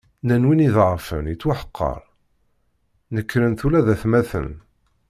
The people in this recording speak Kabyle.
Nnan wi iḍeεfen yettweḥqer, nekkren-t ula d atmaten.